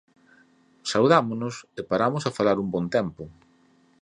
Saudámonos e paramos a falar un bo tempo.